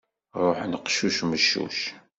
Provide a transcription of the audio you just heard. Ruḥen qeccuc meccuc.